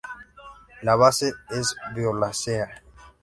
La base es violácea.